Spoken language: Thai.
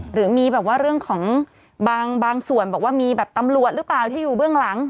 หรือมีแบบว่าเรื่องของบางส่วนบอกว่ามีแบบตำรวจหรือเปล่าที่อยู่เบื้องหลัง